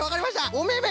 おめめ！